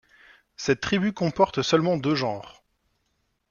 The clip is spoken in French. Cette tribu comporte seulement deux genres.